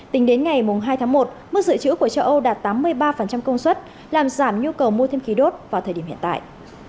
tính đến ngày hai tháng một mức dự trữ của châu âu đạt tám mươi ba công suất làm giảm nhu cầu mua thêm khí đốt vào thời điểm hiện tại